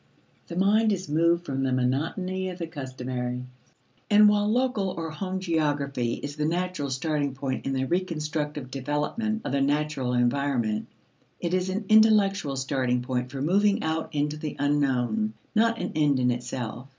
The mind is moved from the monotony of the customary. And while local or home geography is the natural starting point in the reconstructive development of the natural environment, it is an intellectual starting point for moving out into the unknown, not an end in itself.